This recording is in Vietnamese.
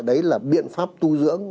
gọi đấy là biện pháp tu dưỡng